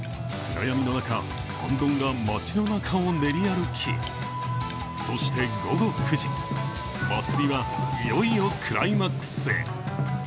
暗闇の中、あんどんが町の中を練り歩き、そして、午後９時祭りはいよいよクライマックスへ。